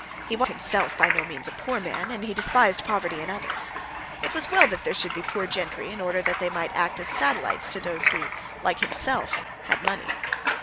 He was himself by no means a poor man, and he despised poverty in others. It was well that there should be poor gentry, in order that they might act as satellites to those who, like himself, had money.